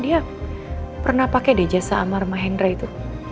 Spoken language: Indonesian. dia pernah pakai deh jasa amar mahendra itu